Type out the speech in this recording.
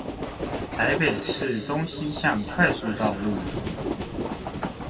台北市東西向快速道路